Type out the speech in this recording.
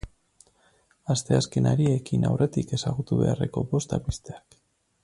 Asteazkenari ekin aurretik ezagutu beharreko bost albisteak.